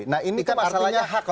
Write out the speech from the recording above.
nah ini kan artinya